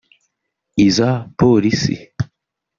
iza Polisi